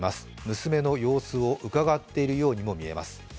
娘の様子をうかがっているようにも見えます。